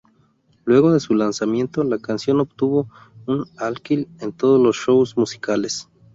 Luego de su lanzamiento, la canción obtuvo un all-kill en todos los shows musicales.